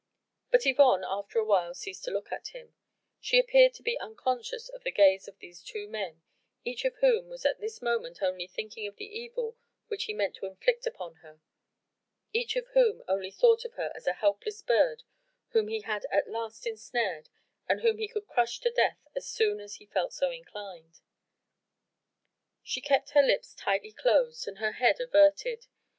But Yvonne after a while ceased to look at him she appeared to be unconscious of the gaze of these two men, each of whom was at this moment only thinking of the evil which he meant to inflict upon her each of whom only thought of her as a helpless bird whom he had at last ensnared and whom he could crush to death as soon as he felt so inclined. She kept her lips tightly closed and her head averted.